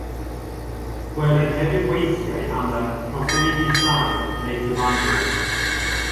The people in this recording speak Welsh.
Gweler hefyd weithiau am y Proffwydi Llai yn eu cyfanrwydd.